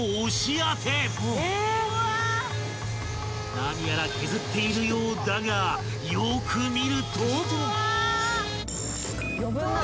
［何やら削っているようだがよく見ると］